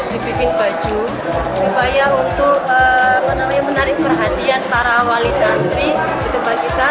dibikin baju supaya untuk menarik perhatian para wali santri ke depan kita